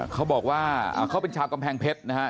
เขาบอกว่าเขาเป็นชาวกำแพงเพชรนะฮะ